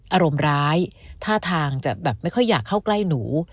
อารมณ์ร้ายท่าทางจะแบบไม่ค่อยอยากเข้าใกล้หนู